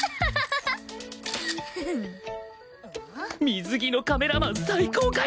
水着のカメラマン最高かよ！